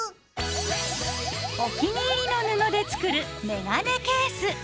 お気に入りの布で作るメガネケース。